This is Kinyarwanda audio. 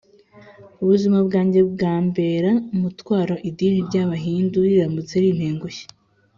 ubuzima bwanjye bwambera umutwaro idini ry’abahindu riramutse rintengushye.